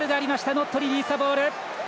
ノットリリースザボール。